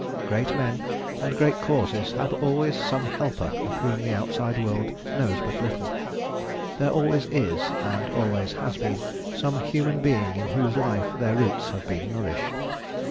Great men and great causes have always some helper of whom the outside world knows but little. There always is, and always has been, some human being in whose life their roots have been nourished.